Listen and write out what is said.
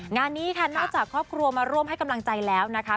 งานนี้ค่ะนอกจากครอบครัวมาร่วมให้กำลังใจแล้วนะคะ